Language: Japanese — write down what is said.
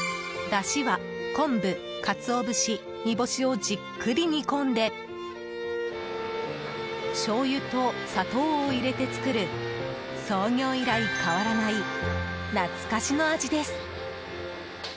だしは昆布、カツオ節煮干しをじっくり煮込んでしょうゆと砂糖を入れて作る創業以来変わらない懐かしの味です。